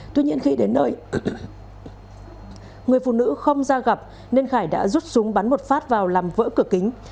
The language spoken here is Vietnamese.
tuy nhiên khi đến nơi người phụ nữ không ra gặp nên khải đã rút súng bắn một phát vào làm vỡ cửa kính